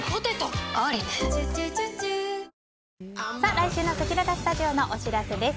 来週のせきららスタジオのお知らせです。